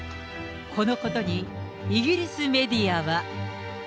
このことにイギリスメディアは。